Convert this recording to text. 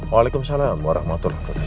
waalaikumsalam warahmatullahi wabarakatuh